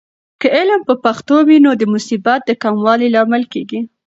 که علم په پښتو وي، نو د مصیبت د کموالي لامل کیږي.